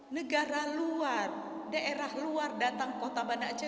negara luar daerah luar datang ke kota bandar aceh